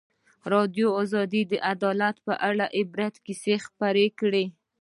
ازادي راډیو د عدالت په اړه د عبرت کیسې خبر کړي.